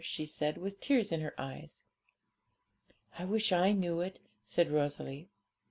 she said, with tears in her eyes. 'I wish I knew it,' said Rosalie.